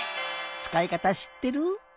つかいかたしってる？